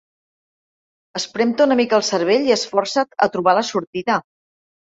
Esprem-te una mica el cervell i esforça't a trobar la sortida.